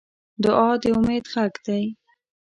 دعا د امید غږ دی.